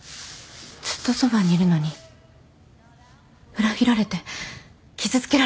ずっとそばにいるのに裏切られて傷つけられたら？